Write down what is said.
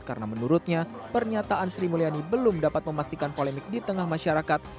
karena menurutnya pernyataan sri mulyani belum dapat memastikan polemik di tengah masyarakat